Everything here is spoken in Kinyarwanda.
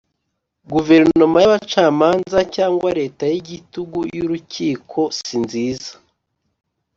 Guverinoma y abacamanza cyangwa Leta y igitugu y Urukiko sinziza